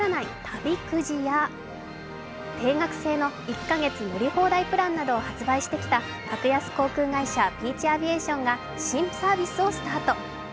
旅くじや、定額制の１カ月乗り放題プランなどを発売してきた格安航空会社ピーチ・アビエーションが新サービスをスタート。